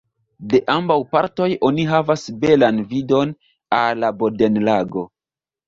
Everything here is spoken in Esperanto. De ambaŭ partoj oni havas belan vidon al la Bodenlago.